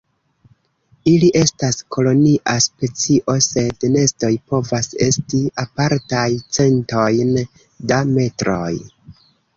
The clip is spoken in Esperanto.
Ili estas kolonia specio, sed nestoj povas esti apartaj centojn da metroj.